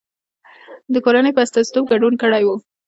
د کورنۍ په استازیتوب ګډون کړی و.